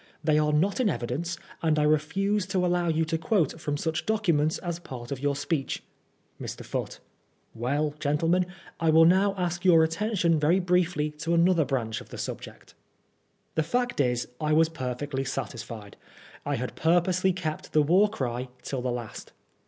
They are not in evidence, and I refuse to allow you to quote from such documents as part of your speech. Mr. Foote : Well, gentlemen, I wui now ask your attention very briefly to another branch of the subject The fact is, I was perfectly satisfied. I had purposely kept the War Cry till the last.